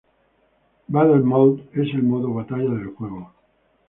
Battle Mode: Es el modo batalla del juego.